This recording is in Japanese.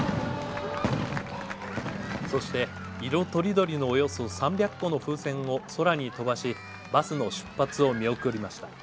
そして、色とりどりのおよそ３００個の風船を空に飛ばしバスの出発を見送りました。